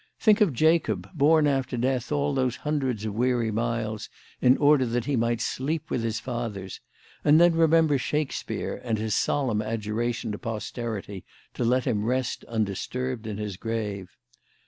Think of Jacob, borne after death all those hundreds of weary miles in order that he might sleep with his fathers, and then remember Shakespeare and his solemn adjuration to posterity to let him rest undisturbed in his grave.